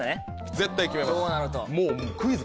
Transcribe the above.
絶対決めます。